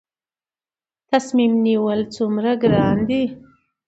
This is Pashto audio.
تصمیم نیول څومره ګران دي؟